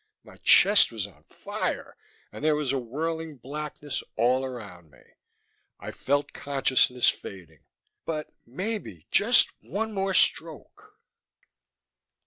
My chest was on fire and there was a whirling blackness all around me. I felt consciousness fading, but maybe just one more stroke....